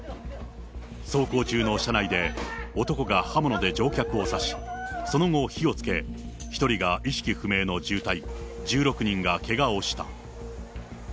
走行中の車内で男が刃物で乗客を刺し、その後、火をつけ、１人が意識不明の重体、１６人がけがをした。